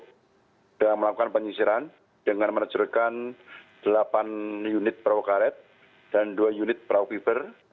tadi kita mulai pada enam tiga puluh dan melakukan penyisiran dengan menajurkan delapan unit perawak karet dan dua unit perawak fiber